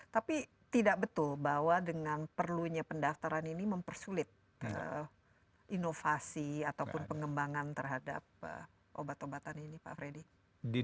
tapi tidak betul bahwa dengan perlunya pendaftaran ini mempersulit inovasi ataupun pengembangan terhadap obat obatan ini pak freddy